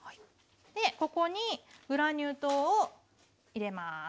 でここにグラニュー糖を入れます。